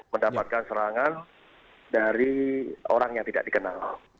mendapatkan serangan dari orang yang tidak dikenal